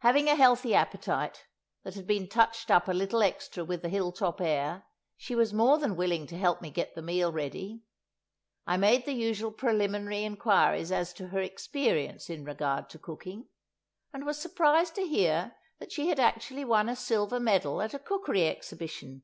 Having a healthy appetite, that had been touched up a little extra with the hill top air, she was more than willing to help me get the meal ready. I made the usual preliminary inquiries as to her experience in regard to cooking, and was surprised to hear that she had actually won a silver medal at a Cookery Exhibition.